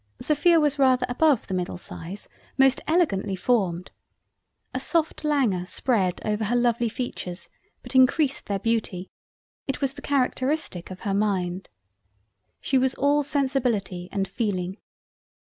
Sophia was rather above the middle size; most elegantly formed. A soft languor spread over her lovely features, but increased their Beauty—. It was the Charectarestic of her Mind—. She was all sensibility and Feeling.